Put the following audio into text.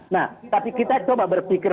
nah tapi kita coba berpikir